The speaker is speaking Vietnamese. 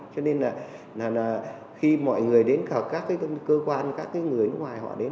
cho nên là khi mọi người đến các cái cơ quan các cái người ngoài họ đến